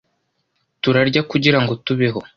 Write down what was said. Turarya kugirango tubeho.